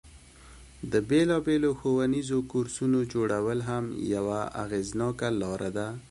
د بیلابیلو ښوونیزو کورسونو جوړول هم یوه اغیزناکه لاره ده.